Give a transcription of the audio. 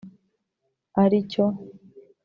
aricyo